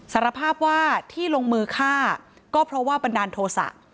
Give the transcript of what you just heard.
สารภาพว่าที่ลงมือฆ่าก็เพราะว่าบันดาลโทษะ